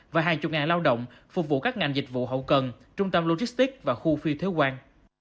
và hai mươi lao động phục vụ các ngành dịch vụ hậu cần trung tâm logistics và khu phi thiếu quan